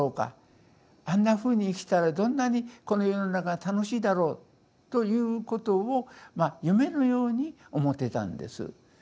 あんなふうに生きたらどんなにこの世の中が楽しいだろうということをまあ夢のように思ってたんです。